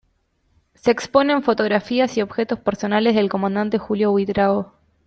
Se exponen fotografías y objetos personales del comandante Julio Buitrago.